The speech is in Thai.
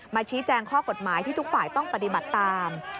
ชี้แจงข้อกฎหมายที่ทุกฝ่ายต้องปฏิบัติตาม